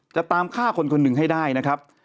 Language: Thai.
จะตามฆ่าคนคนหนึ่งให้ได้นะครับ